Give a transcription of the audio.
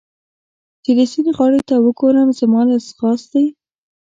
چې د سیند غاړې ته وګورم، زما له ځغاستې.